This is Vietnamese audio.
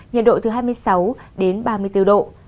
nhiệt độ từ hai mươi sáu đến ba mươi bốn độ